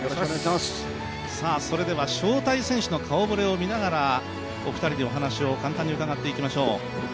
それでは招待選手の顔ぶれを見ながらお二人にお話を簡単に伺っていきましょう。